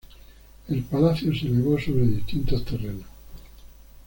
El palacio se elevó sobre distintos terrenos.